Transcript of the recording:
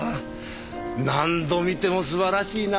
何度見ても素晴らしいなあ。